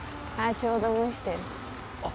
ちょうど蒸してる。